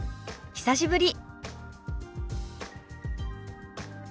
久しぶり。